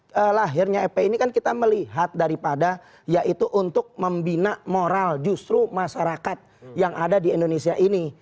karena lahirnya epi ini kan kita melihat daripada yaitu untuk membina moral justru masyarakat yang ada di indonesia ini